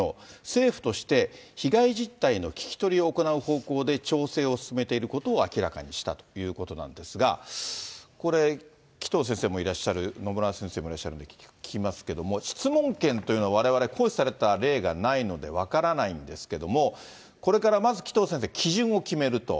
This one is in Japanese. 政府として、被害実態の聞き取りを行う方向で、調整を進めていることを明らかにしたということなんですが、これ、紀藤先生もいらっしゃる、野村先生もいらっしゃるんで聞きますけれども、質問権というのは、われわれ、行使された例がないので分からないんですけれども、これからまず紀藤先生、基準を決めると。